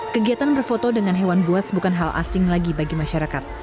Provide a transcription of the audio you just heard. kegiatan berfoto dengan hewan buas bukan hal asing lagi bagi masyarakat